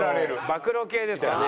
暴露系ですかね。